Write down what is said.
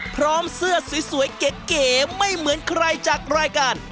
พร้อมเสื้อสวยเก๋ไม่เหมือนใครจากรายการ